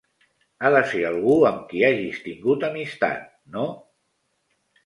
Ha de ser algú amb qui hagis tingut amistat, no?